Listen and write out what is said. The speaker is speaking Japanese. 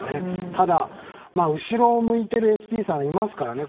ただ、後ろを向いているＳＰさんいますからね。